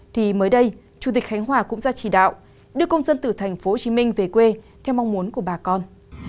thì mới đây chủ tịch khánh hòa cũng ra chỉ đạo đưa công dân từ thành phố hồ chí minh về quê theo mong muốn của bà con